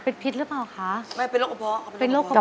ขอบคุณค่ะ